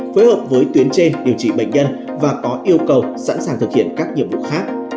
phối hợp với tuyến trên điều trị bệnh nhân và có yêu cầu sẵn sàng thực hiện các nhiệm vụ khác